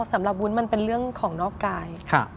วุ้นมันเป็นเรื่องของนอกกาย